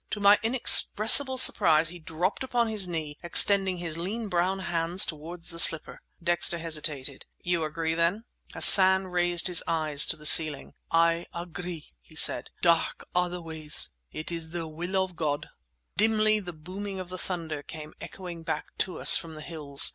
To my inexpressible surprise he dropped upon his knee, extending his lean brown hands toward the slipper. Dexter hesitated. "You agree, then?" Hassan raised his eyes to the ceiling. "I agree," he said. "Dark are the ways. It is the will of God..." Dimly the booming of the thunder came echoing back to us from the hills.